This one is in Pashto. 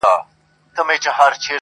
• چاته يادي سي كيسې په خـامـوشۍ كــي.